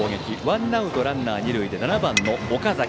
ワンアウトランナー、二塁で７番の岡崎。